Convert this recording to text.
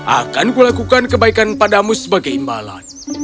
akan kulakukan kebaikan padamu sebagai imbalan